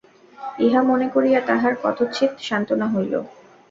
ইহা মনে করিয়া তাঁহার কথঞ্চিৎ সান্ত্বনা হইল।